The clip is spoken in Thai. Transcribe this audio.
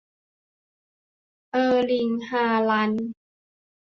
เออร์ลิ่ง ฮาลันด์